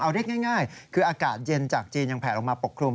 เอาเรียกง่ายคืออากาศเย็นจากจีนยังแผลลงมาปกคลุม